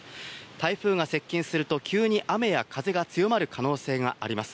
台風が接近すると急に雨や風が強まる可能性があります。